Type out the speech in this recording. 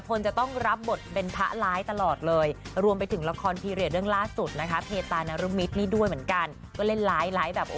พลจะต้องรับบทเป็นพระล้ายตลอดเลยรวมไปถึงละครเพรียสเรื่องล่าสุดนะคะ